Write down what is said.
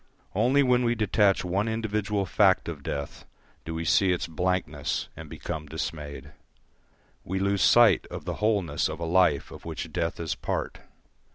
Only when we detach one individual fact of death do we see its blankness and become dismayed. We lose sight of the wholeness of a life of which death is part.